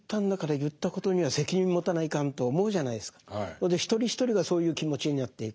それで一人一人がそういう気持ちになっていく。